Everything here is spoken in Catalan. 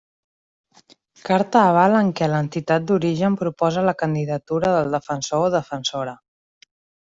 Carta aval en què l'entitat d'origen proposa la candidatura del Defensor o Defensora.